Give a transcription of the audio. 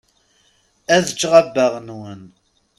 Ad ččeɣ abbaɣ-nwen.